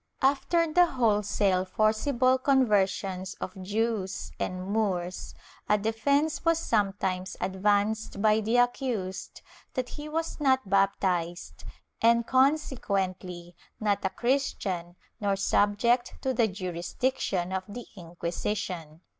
After the wholesale forcible conversions of Jews and Moors a defence was sometimes advanced by the accused that he was not baptized and consequently not a Christian nor subject to the jurisdiction of the Inquisition.